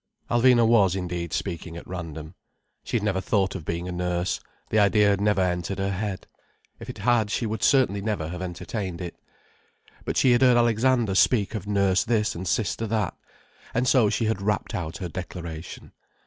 Alvina was indeed speaking at random. She had never thought of being a nurse—the idea had never entered her head. If it had she would certainly never have entertained it. But she had heard Alexander speak of Nurse This and Sister That. And so she had rapped out her declaration.